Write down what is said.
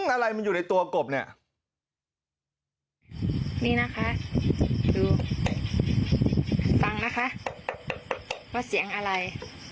อะไรมันอยู่ในตัวกบเนี่ยนี่นะคะดูฟังนะคะว่าเสียงอะไร